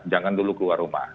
jangan dulu keluar rumah